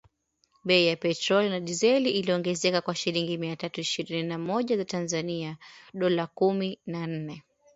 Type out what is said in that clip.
Bei ya petroli na dizeli iliongezeka kwa shilingi mia tatu ishirini na moja za Tanzania (dola kumi na nne)